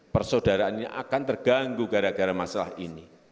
persaudaraannya akan terganggu gara gara masalah ini